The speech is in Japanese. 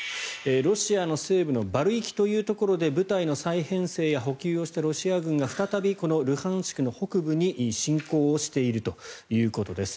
ロシアの西部のバルイキというところで部隊の再編成や補給をしたロシア軍が再びこのルハンシクの北部に侵攻しているということです。